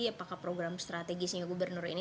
apakah program strategisnya gubernur ini